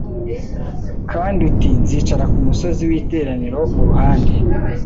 kandi uti Nzicara ku musozi w iteraniro mu ruhande